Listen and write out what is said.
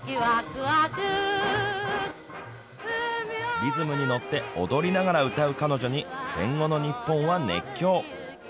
リズムに乗って踊りながら歌う彼女に戦後の日本は熱狂。